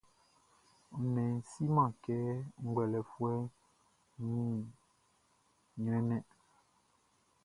Nnɛnʼn siman kɛ ngwlɛlɛfuɛʼn wun ɲrɛnnɛn.